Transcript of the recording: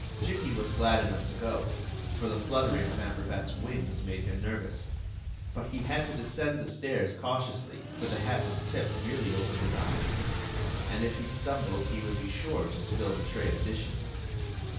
io8 Queen Zixi of Ix; or, the Jikki was glad enough to go, for the fluttering of Aunt Rivette's wings made him nervous; but he had to descend the stairs cautiously, for the hat was tipped nearly over his eyes, and if he stumbled he would be sure to spill the tray of dishes.